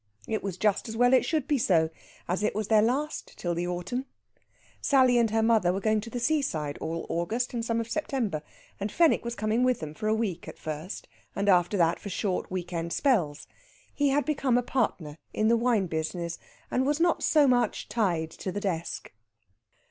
It was just as well it should be so, as it was their last till the autumn. Sally and her mother were going to the seaside all August and some of September, and Fenwick was coming with them for a week at first, and after that for short week end spells. He had become a partner in the wine business, and was not so much tied to the desk.